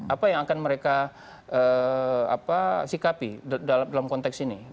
apa yang akan mereka sikapi dalam konteks ini